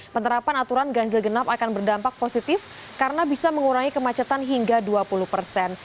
penerapan aturan ganjil genap akan berdampak positif karena bisa mengurangi kemacetan hingga dua puluh persen